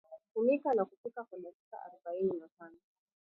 Funika na kupika kwa dakika aroubaini na tano